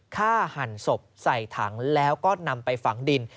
หั่นศพใส่ถังแล้วก็นำไปฝังดิน